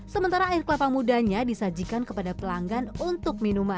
sementara air kelapa mudanya disajikan kepada pelanggan untuk minuman